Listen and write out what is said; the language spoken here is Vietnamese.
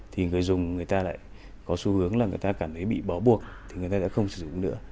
thì người dùng có xu hướng là người ta cảm thấy bị bỏ buộc thì người ta đã không sử dụng nữa